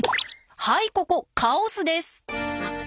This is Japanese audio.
はいここカオスです！